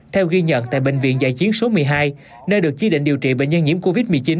theo ghi nhận tại bệnh viện giải chiến số một mươi hai nơi được chi định điều trị bệnh nhân nhiễm covid một mươi chín